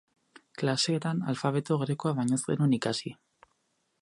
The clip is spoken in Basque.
Klaseetan alfabeto grekoa baino ez genuen ikasi.